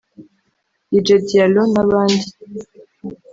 Dj Diallo n’abandi